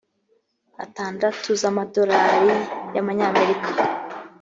atandatu z amadolari y abanyamerika